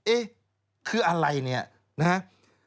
เอ๊ะคืออะไรเนี่ยนะครับ